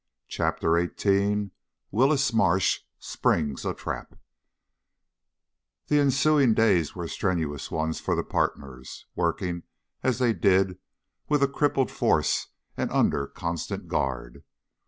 CHAPTER XVIII WILLIS MARSH SPRINGS A TRAP The ensuing days were strenuous ones for the partners, working as they did, with a crippled force and under constant guard.